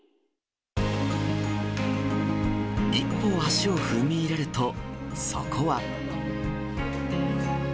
一歩足を踏み入れると、そこは。